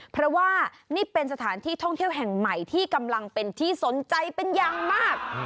เพราะว่านี้เป็นสถานที่ท่องเที่ยวแห่งใหม่ท่องเที่ยวที่สนใจอยู่แค่ไหน